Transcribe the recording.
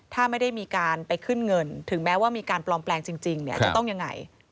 ถ้าไม่ได้มีการไปขึ้นเงินถึงแม้ว่ามีการปลอมแปลงจริงเนี่ยจะต้องยังไง